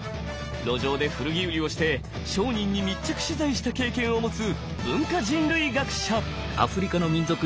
路上で古着売りをして商人に密着取材した経験を持つ文化人類学者！